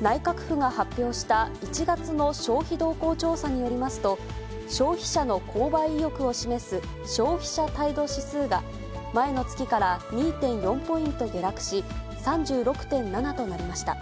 内閣府が発表した１月の消費動向調査によりますと、消費者の購買意欲を示す消費者態度指数が、前の月から２．４ポイント下落し、３６．７となりました。